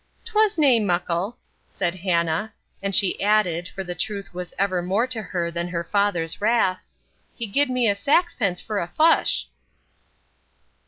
"'Twas nae muckle," said Hannah, and she added, for the truth was ever more to her than her father's wrath, "he gi'ed me saxpence for a fush."